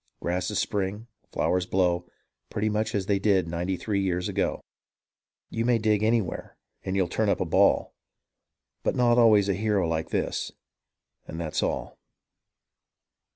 Grasses spring, flowers blow, Pretty much as they did ninety three years ago. You may dig anywhere and you'll turn up a ball — But not always a hero like this — and that's all.